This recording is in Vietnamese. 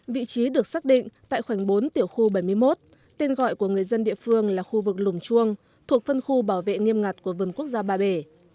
vị trí được xác định tại khoảnh bốn tiểu khu bảy mươi một tên gọi của người dân địa phương là khu vực lùng chuông thuộc phân khu bảo vệ nghiêm ngặt của vườn quốc gia ba bể